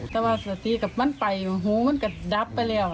ตะว่าสวัสดีกับมันไปหูมันกระดับไปแล้ว